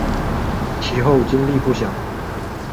其后经历不详。